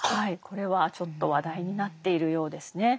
これはちょっと話題になっているようですね。